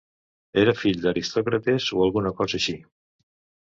Era fill d'aristòcrates o alguna cosa així.